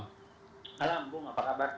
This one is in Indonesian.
selamat malam bung apa kabar